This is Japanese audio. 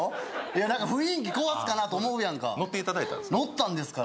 何か雰囲気壊すかなと思うやんかのっていただいたんですね？